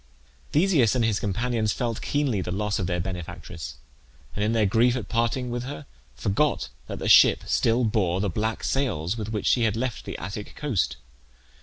Theseus and his companions felt keenly the loss of their benefactress, and in their grief at parting with her, forgot that the ship still bore the black sails with which she had left the Attic coast.